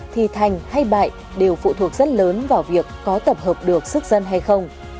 thì thành hay bại đều phụ thuộc rất lớn vào việc có tập hợp được sức dân hay không